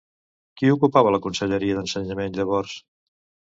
Qui ocupava la conselleria d'Ensenyament llavors?